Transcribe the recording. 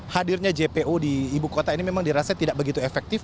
hadirnya jpo di ibu kota ini memang dirasa tidak begitu efektif